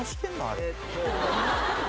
あれ。